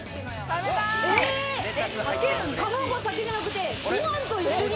卵、先じゃなくて、ご飯と一緒に！